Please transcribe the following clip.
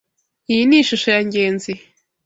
Iyi ni ishusho ya Ngenzi.